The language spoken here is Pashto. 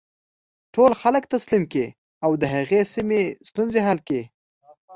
ټول خلک تسلیم کړي او د هغې سیمې ستونزې حل کړي.